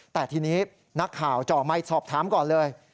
แต่ทีนี้นักข่าวจ่อไมค์สอบถามก่อนเลย